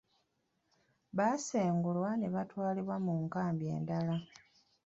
Baasengulwa ne batwalibwa mu nkambi endala.